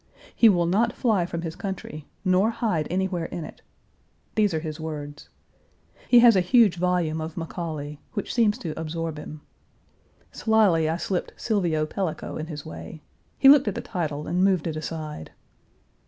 He will not fly from his country, nor hide anywhere in it. These are his words. He has a huge volume of Macaulay, which seems to absorb him. Slily I slipped Silvio Pellico in his way. He looked at the title and moved it aside.